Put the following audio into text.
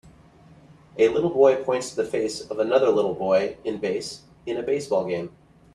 A little boy points to the face of another little boy in base in a baseball game.